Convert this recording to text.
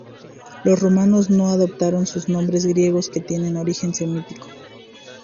Los romanos no adoptaron sus nombres griegos, que tienen origen semítico.